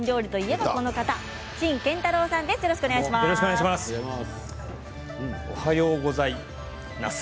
よろしくお願いします。